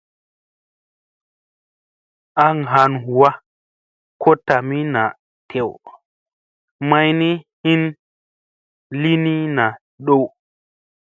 Aŋ han huwa ko tami naa tew mayni hin li ni na dow.